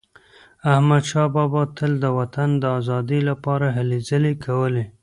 احمدشاه بابا تل د وطن د ازادی لپاره هلې ځلي کولي.